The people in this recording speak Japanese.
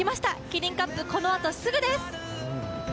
キリンカップ、このあとすぐです。